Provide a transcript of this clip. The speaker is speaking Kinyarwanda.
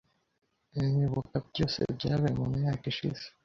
nibuka byose byabaye mumyaka ishize